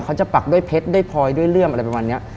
ปักด้วยเพชรด้วยพลอยด้วยเลื่อมอะไรประมาณนี้